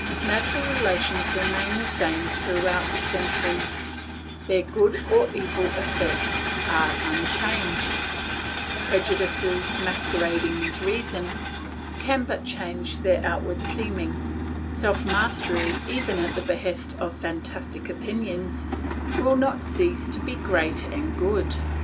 Natural relations remain the same throughout the centuries, their good or evil effects are unchanged; prejudices, masquerading as reason, can but change their outward seeming; self mastery, even at the behest of fantastic opinions, will not cease to be great and good.